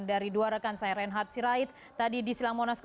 jadi anda harus bergerak ke